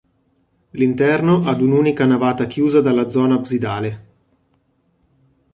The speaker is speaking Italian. L'interno ad un'unica navata chiusa dalla zona absidale.